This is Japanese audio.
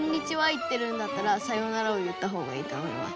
言ってるんだったら「さようなら」を言った方がいいと思います。